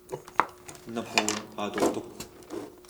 Na hmur aa dawh tuk.